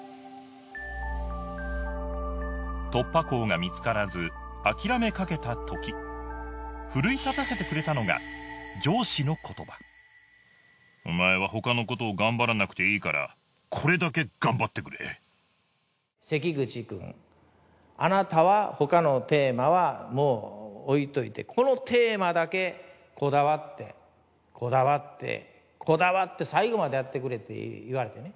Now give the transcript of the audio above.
突破口が見つからず諦めかけたとき奮い立たせてくれたのが上司の言葉お前はほかのことを頑張らなくていいから関口くんあなたはほかのテーマはもう置いといてこのテーマだけこだわってこだわってこだわって最後までやってくれって言われてね